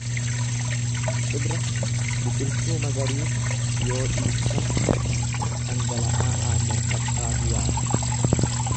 Cibra biqiltuu magariisa yoo dhiigsan dhangala'aa aannan fakkaatu yaasu.